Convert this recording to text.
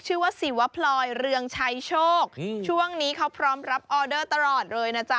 ชื่อว่าศิวพลอยเรืองชัยโชคช่วงนี้เขาพร้อมรับออเดอร์ตลอดเลยนะจ๊ะ